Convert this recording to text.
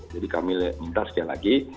jadi kami minta sekali lagi